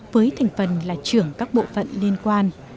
với thành phần là trưởng các bộ phận liên quan